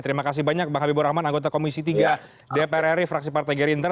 terima kasih banyak bang abibur rahman anggota komisi tiga dprri fraksi partai gerinter